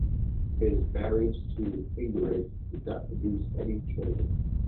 His marriage to Ingerid did not produce any children.